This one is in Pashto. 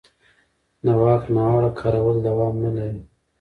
د واک ناوړه کارول دوام نه لري